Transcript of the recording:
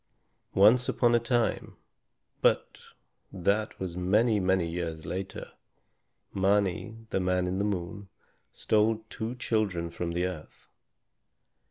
Once upon a time, but that was many, many years later, Mâni, the Man in the Moon, stole two children from the earth.